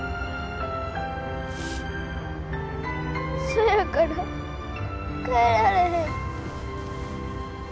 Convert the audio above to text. そやから帰られへん。